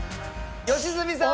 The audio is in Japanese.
良純さん！